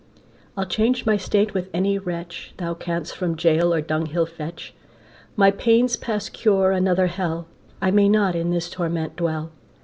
I'll change my state with any wretch, Thou canst from gaol or dunghill fetch; My pain's past cure, another hell, I may not in this torment dwell!